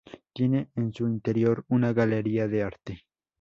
Tiene en su interior una galería de arte.